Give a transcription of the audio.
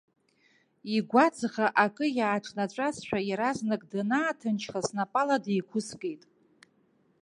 Игәаҵӷа акы иааҿнаҵәазшәа, иаразнак данааҭынчха, снапала деиқәыскит.